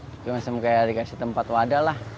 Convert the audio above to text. masam masam dikasih tempat wadah lah